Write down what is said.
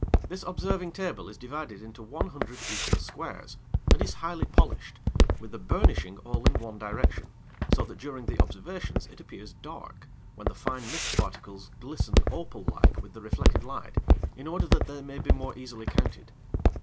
This observing table is divided into 100 equal squares, and is highly polished, with the burnishing all in one direction, so that during the observations it appears dark, when the fine mist particles glisten opal like with the reflected light in order that they may be more easily counted.